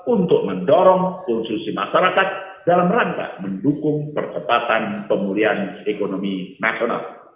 untuk mendorong konsumsi masyarakat dalam rangka mendukung percepatan pemulihan ekonomi nasional